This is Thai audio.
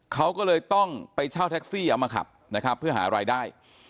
เขาก็เลยต้องไปเช่าแท็กซี่เอามาขับนะครับเพื่อหารายได้